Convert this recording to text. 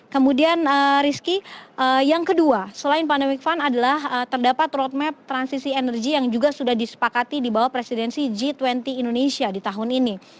kemudian rizky yang kedua selain pandemic fund adalah terdapat roadmap transisi energi yang juga sudah disepakati di bawah presidensi g dua puluh indonesia di tahun ini